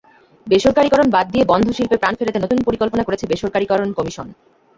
বেসরকারীকরণ বাদ দিয়ে বন্ধ শিল্পে প্রাণ ফেরাতে নতুন পরিকল্পনা করেছে বেসরকারীকরণ কমিশন।